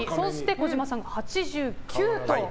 児嶋さんが８９と。